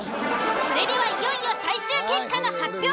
それではいよいよ最終結果の発表です。